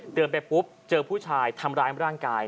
ไปปุ๊บเจอผู้ชายทำร้ายร่างกาย